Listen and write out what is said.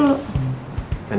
dari luar sana